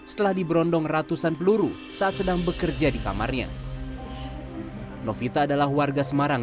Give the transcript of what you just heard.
setelah diberondong ratusan peluru saat sedang bekerja di kamarnya novita adalah warga semarang